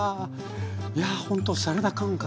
いやあほんとサラダ感覚で。